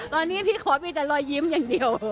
ตอนนี้พี่ขอมีแต่รอยยิ้มอย่างเดียว